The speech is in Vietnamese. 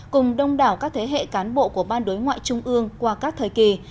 cùng đông đảo các thế hệ cán bộ của ban đối ngoại trung ương qua các thời kỳ